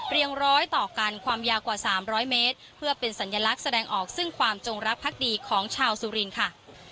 เรียงร้อยต่อกันความยากกว่าสามร้อยเมตรเพื่อเป็นสัญลักษณ์แสดงออกซึ่งความจงรักพรรคดีของชาวสลินค่ะ